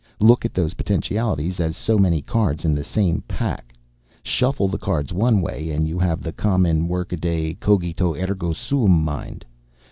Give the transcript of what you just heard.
Look at those potentialities as so many cards in the same pack. Shuffle the cards one way and you have the common workaday cogito, ergo sum mind.